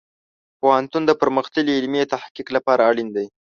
پوهنتون د پرمختللې علمي تحقیق لپاره اړین دی.